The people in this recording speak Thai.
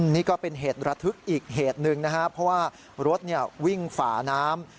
นี่ก็เป็นเหตุระทึกอีกเหตุหนึ่งว่ารถวิ่งฝาน้ำ